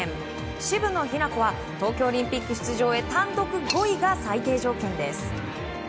渋野日向子は東京オリンピック出場へ単独５位が最低条件です。